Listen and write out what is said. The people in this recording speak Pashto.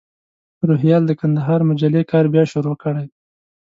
روهیال د کندهار مجلې کار بیا شروع کړی.